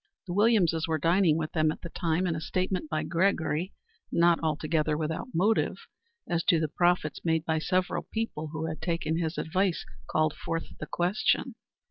The Williamses were dining with them at the time, and a statement by Gregory, not altogether without motive, as to the profits made by several people who had taken his advice, called forth the question.